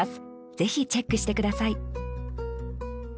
ぜひチェックして下さい